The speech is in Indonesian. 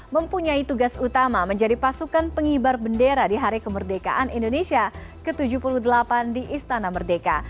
mempunyai tugas utama menjadi pasukan pengibar bendera di hari kemerdekaan indonesia ke tujuh puluh delapan di istana merdeka